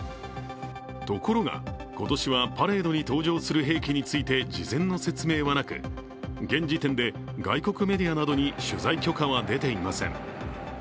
ところが、今年はパレードに登場する兵器について事前の説明はなく現時点で外国メディアなどに取材許可は出ていません。